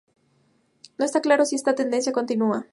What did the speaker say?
No está claro si esta tendencia continúa.